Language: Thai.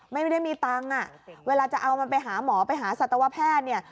ไม่ได้มีตังค์อ่ะเวลาจะเอามันไปหาหมอไปหาสัตวแพทย์เนี่ย